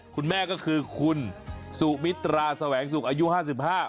คุณแม่ก็คือคุณสุมิตราแสวงสุขอายุห้าสิบห้า